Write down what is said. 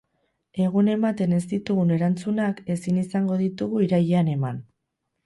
Egun ematen ez ditugun erantzunak ezin izango ditugu irailean eman.